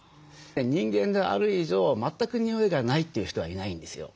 人間である以上全く臭いがないという人はいないんですよ。